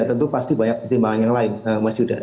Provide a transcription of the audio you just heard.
tentu pasti banyak pertimbangan yang lain mas yuda